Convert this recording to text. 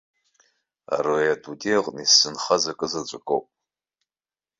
Ари адунеи аҟны исзынхаз акызаҵәык ауп.